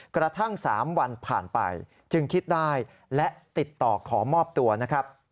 กระทั่ง๓วันผ่านไปจึงคิดได้และติดต่อขอมอบตัวนะครับ